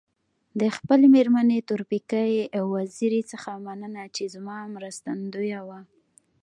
د خپلي مېرمني تورپیکۍ وزيري څخه مننه چي زما مرستندويه وه.